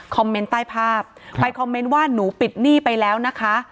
เมนต์ใต้ภาพไปคอมเมนต์ว่าหนูปิดหนี้ไปแล้วนะคะ